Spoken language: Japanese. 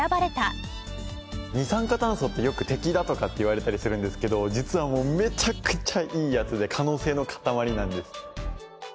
二酸化炭素ってよく敵だとかって言われたりしてるんですけど実はめちゃくちゃいいヤツで可能性の塊なんです。